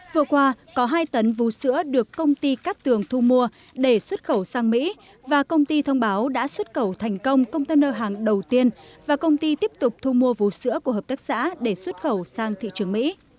vừa qua có hai tấn vũ sữa được công ty cát tường thu mua để xuất khẩu sang mỹ và công ty thông báo đã xuất khẩu thành công container hàng đầu tiên và công ty tiếp tục thu mua vũ sữa của hợp tác xã để xuất khẩu sang thị trường mỹ